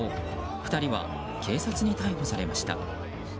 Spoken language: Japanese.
２人は警察に逮捕されました。